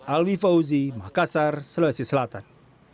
alwi fauzi makassar sulawesi selatan